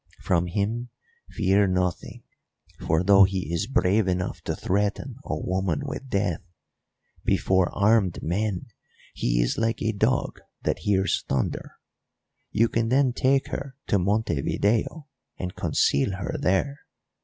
From him fear nothing, for, though he is brave enough to threaten a woman with death, before armed men he is like a dog that hears thunder. You can then take her to Montevideo and conceal her there.